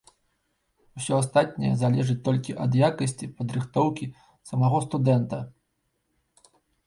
Усе астатняе залежыць толькі ад якасці падрыхтоўкі самога студэнта.